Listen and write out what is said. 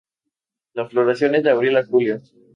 La floración es de abril a julio.